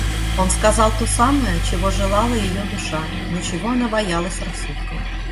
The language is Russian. Он сказал то самое, чего желала ее душа, но чего она боялась рассудком.